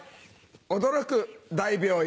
驚く大病院。